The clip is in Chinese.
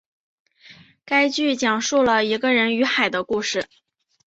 该剧讲述了一个人与海的故事。